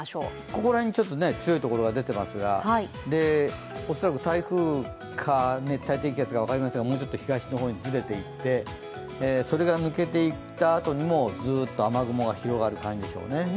ここら辺に強いところが出ていますが、恐らく台風か熱帯低気圧か分かりませんが、もうちょっと東の方にずれていってそれが抜けていったあとにもずっと雨雲が広がる感じですね。